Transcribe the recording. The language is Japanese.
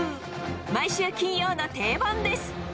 毎週金曜の定番です